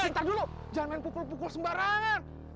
sebentar dulu jangan pukul pukul sembarangan